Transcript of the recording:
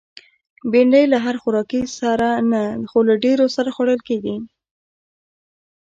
بېنډۍ له هر خوراکي سره نه، خو له ډېرو سره خوړل کېږي